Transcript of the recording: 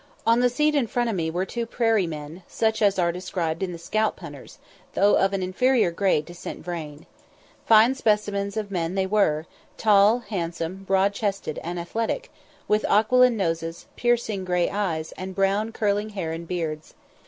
On the seat in front of me were two "prairie men," such as are described in the 'Scalp Hunters,' though of an inferior grade to St. Vrain. Fine specimens of men they were; tall, handsome, broad chested, and athletic, with aquiline noses, piercing grey eyes, and brown curling hair and beards.